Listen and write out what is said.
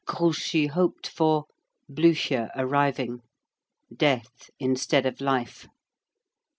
Grouchy hoped for, Blücher arriving. Death instead of life.